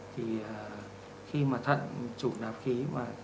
thì khi mà thận chủ đạp khí mà